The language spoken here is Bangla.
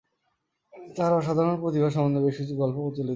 তার অসাধারণ প্রতিভা সম্বন্ধে বেশ কিছু গল্প প্রচলিত আছে।